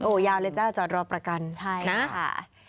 โอ้ยาวเลยจ้าจอดรอประกันนะครับใช่ค่ะ